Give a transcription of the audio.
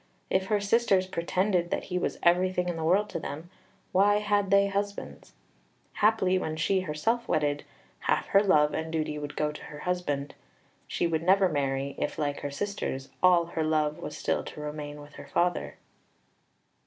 If her sisters pretended that he was everything in the world to them, why had they husbands? Haply, when she herself wedded, half her love and duty would go to her husband; she would never marry if, like her sisters, all her love was still to remain with her father.